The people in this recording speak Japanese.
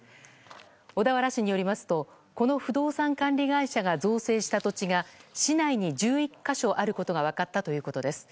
小田原市によりますとこの不動産管理会社が造成した土地が市内に１１か所あることが分かったということです。